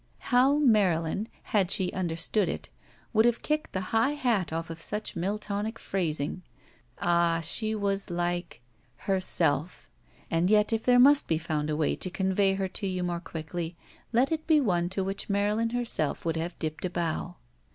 How Marylin, had she understood it, would have kicked the high hat off of such Miltonic phrasing. no THE VERTICAL CITY Ah, she was liker— herself ! And yet, if there must be found a way to convey her to you more quickly, let it be one to which Marylin herself would have dipped a bow.